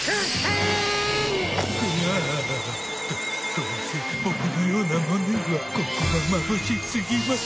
どうせ僕のような者にはここはまぶしすぎます。